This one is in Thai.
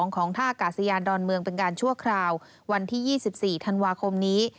ของท่ากาศยานดอนเมืองเป็นการชั่วคราววันที่๒๔ธันวาคมนี้